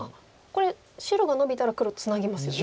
これ白がノビたら黒ツナぎますよね。